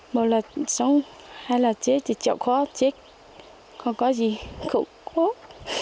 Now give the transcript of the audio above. một lần sống hai lần chết thì chẳng có chết không có gì cực quốc